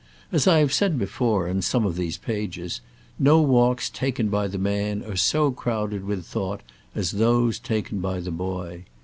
As I have said before, in some of these pages, no walks taken by the man are so crowded with thought as those taken by the boy.